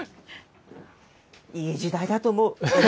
いい時代だと思う。